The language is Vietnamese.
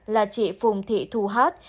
là chị phùng thị thu hát